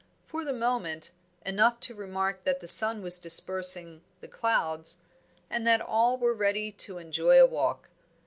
For the moment, enough to remark that the sun was dispersing the clouds, and that all were ready to enjoy a walk.